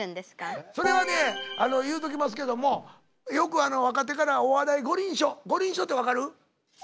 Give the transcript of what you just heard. それはね言うときますけどもよくあの若手からお笑い五輪書「五輪書」って分かる？